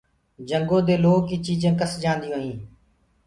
جنگو دي لوه ڪي چيجينٚ ڪس جآنيونٚ هينٚ۔